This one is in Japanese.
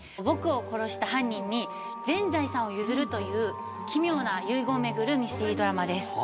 僕を殺した犯人に全財産を譲るという奇妙な遺言を巡るミステリードラマです。